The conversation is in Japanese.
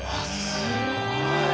すごい。